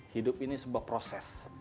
hidup ini sebuah proses